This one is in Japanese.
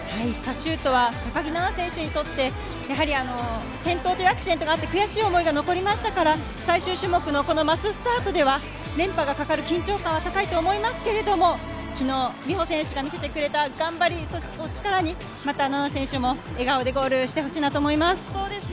パシュートは高木菜那選手にとって転倒というアクシデントがあって悔しい思いが残りましたから、最終種目のこのマススタートでは連覇がかかる緊張感は高いと思いますけれども、昨日、美帆選手が見せてくれた頑張りを力に菜那選手も笑顔でゴールしてほしいなと思います。